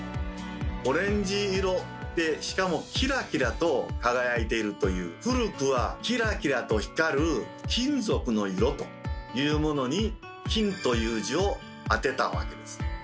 オレンジ色でしかもキラキラと輝いているという古くはキラキラと光る「金属の色」というものに「金」という字をあてたわけです。